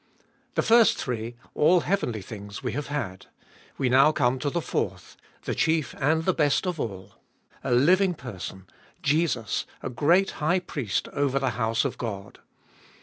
The first three, all heavenly things, we have had ; we now come to the fourth, the chief and the best of all — a living Person, Jesus, a great High Priest over the house of God.